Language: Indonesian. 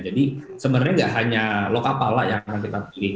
jadi sebenarnya tidak hanya lokapala yang akan kita pilih